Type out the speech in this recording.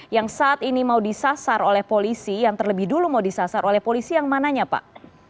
yang saat ini mau disasar oleh polisi yang terlebih dulu mau disasar oleh polisi yang mananya pak